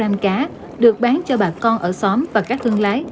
trên một mươi năm kg cá được bán cho bà con ở xóm và các thương lái